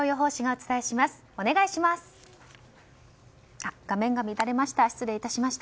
お願いします。